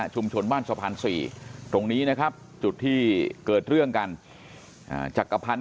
ชุมชนบ้านสะพันธุ์สี่ตรงนี้นะครับจุดที่เกิดเรื่องกันจักรพรรณ